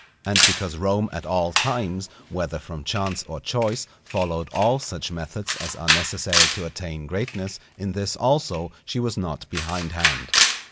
And because Rome at all times, whether from chance or choice, followed all such methods as are necessary to attain greatness, in this also she was not behindhand.